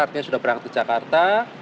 artinya sudah berangkat ke jakarta